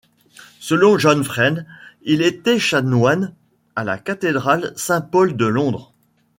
Selon John Freind, il était chanoine à la cathédrale Saint-Paul de Londres.